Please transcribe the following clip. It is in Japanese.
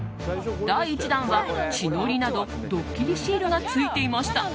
第１弾は血のりなど、どっきりシールがついていました。